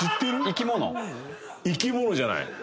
生き物じゃない。